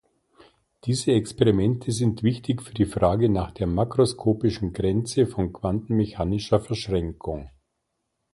Diese Experimente sind wichtig für die Frage nach der makroskopischen Grenze von quantenmechanischer Verschränkung.